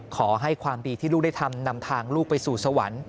ขอให้ความดีที่ลูกได้ทำนำทางลูกไปสู่สวรรค์